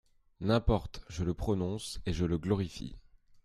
N'importe, je le prononce, et je le glorifie.